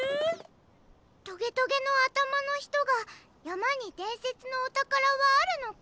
トゲトゲのあたまのひとが「やまにでんせつのおたからはあるのか？」